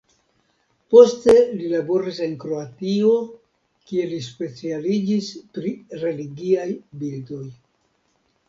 Poste li laboris en Kroatio kie li specialiĝis pri religiaj bildoj.